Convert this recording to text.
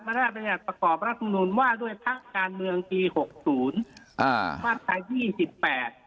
พระราชบัญญัติประกอบรัฐมนุนว่าด้วยพักการเมืองปีหกศูนย์อ่ามาตรายี่สิบแปด